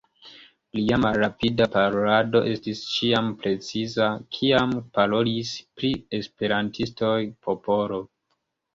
Lia malrapida parolado estis ĉiam preciza kiam parolis pri la Esperantistoj Popolo.